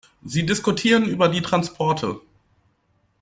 Sie diskutieren über die Transporte!